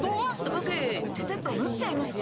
ボクちゃちゃっとぬっちゃいますよ。